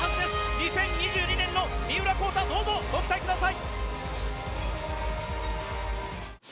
２０２２年の三浦孝太にどうぞご期待ください！